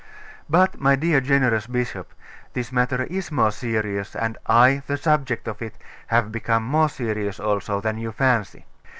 But, my dear generous bishop, this matter is more serious, and I, the subject of it, have become more serious also, than you fancy.